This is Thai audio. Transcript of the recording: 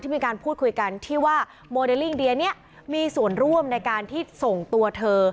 มีการพูดคุยกันที่ว่าโมเดลลิ่งเดียนี้มีส่วนร่วมในการที่ส่งตัวเธอ